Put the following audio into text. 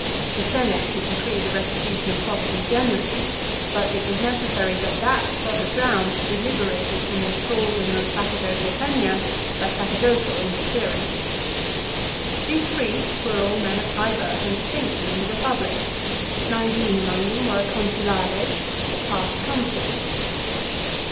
The Senate could decree the restitution of property generally ; but it was necessary that that spot of ground should be liberated from the thraldom of sacerdotal tenure by sacerdotal interference. These priests were all men of high birth and distinction in the Republic. Nineteen among them were " Consulares," or past Consuls.